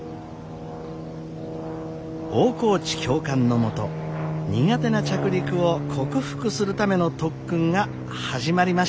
大河内教官の下苦手な着陸を克服するための特訓が始まりました。